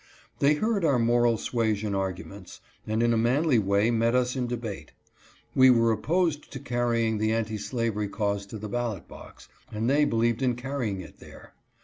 They heard our moral suasion arguments, and in a manly way met us in debate. We were opposed to carrying the anti slavery cause to the ballot box, and they believed in carrying it there.